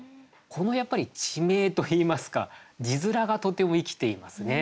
このやっぱり地名といいますか字面がとても生きていますね。